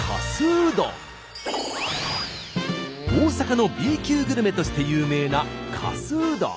大阪のＢ級グルメとして有名なかすうどん。